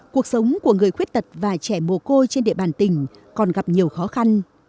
cuộc sống của người khuyết tật và trẻ mồ côi trên địa bàn tỉnh còn gặp nhiều khó khăn